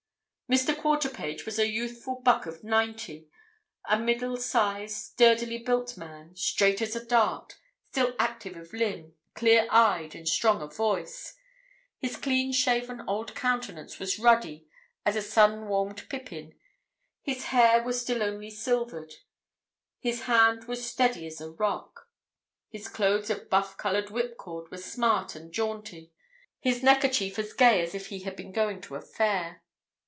Mr. Quarterpage was a youthful buck of ninety—a middle sized, sturdily built man, straight as a dart, still active of limb, clear eyed, and strong of voice. His clean shaven old countenance was ruddy as a sun warmed pippin; his hair was still only silvered; his hand was steady as a rock. His clothes of buff coloured whipcord were smart and jaunty, his neckerchief as gay as if he had been going to a fair.